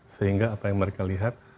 sehingga apa yang mereka lihat